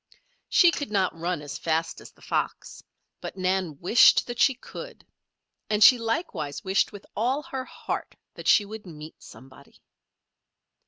She could not run as fast as the fox; but Nan wished that she could. And she likewise wished with all her heart that she would meet somebody.